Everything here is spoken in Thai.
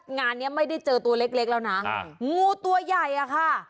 งานนี้ไม่ได้เจอตัวเล็กแล้วนะงูตัวใหญ่อะค่ะ